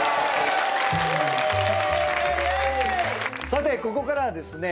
さてここからはですね